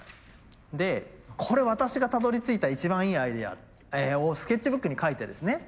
で「これ私がたどりついた一番いいアイデア」をスケッチブックにかいてですね